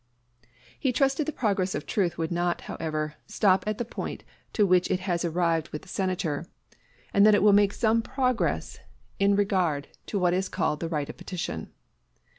He trusted the progress of truth would not, however, stop at the point to which it has arrived with the Senator, and that it will make some progress in regard to what is called the right of petition.